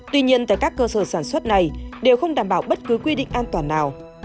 tuy nhiên tại các cơ sở sản xuất này đều không đảm bảo bất cứ quy định an toàn nào